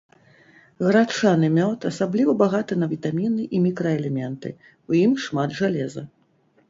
Грачаны мёд асабліва багаты на вітаміны і мікраэлементы, у ім шмат жалеза.